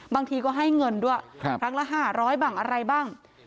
บางทีก็ให้เงินด้วยครับครั้งละห้าร้อยบังอะไรบ้าง